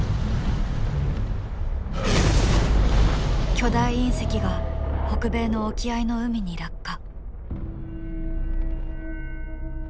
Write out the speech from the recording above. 巨大隕石が北米の沖合の海に落下。